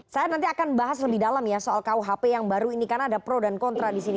saya nanti akan bahas lebih dalam ya soal kuhp yang baru ini karena ada pro dan kontra di sini